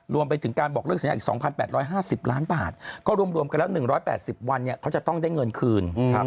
รวมไปถึงการบอกเลิกสัญญาอีก๒๘๕๐ล้านบาทก็รวมกันแล้ว๑๘๐วันเขาจะต้องได้เงินคืน